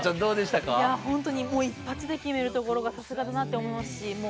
一発で決めるところがさすがだなと思いますし